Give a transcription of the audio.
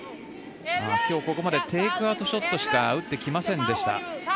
今日ここまでテイクアウトショットしか打ってきませんでした。